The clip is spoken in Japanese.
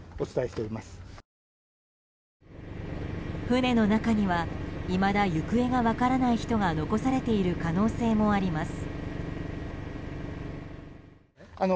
船の中にはいまだ行方が分からない人が残されている可能性もあります。